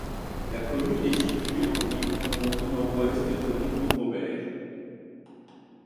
La commune est située à environ au nord-ouest de Brie-Comte-Robert.